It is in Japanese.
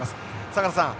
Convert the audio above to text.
坂田さん。